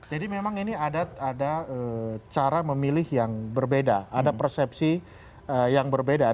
jadi memang ini ada cara memilih yang berbeda ada persepsi yang berbeda